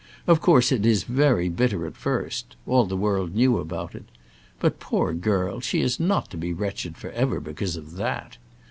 Of course it is very bitter at first; all the world knew about it; but, poor girl, she is not to be wretched for ever, because of that.